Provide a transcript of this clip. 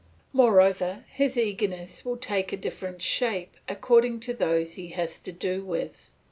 Moreover, his eagerness will take a different shape according to those he has to do with.